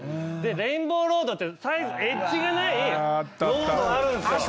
レインボーロードってエッジがないロードがあるんですよ。